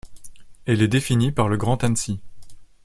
Elle est définie par le Grand Annecy.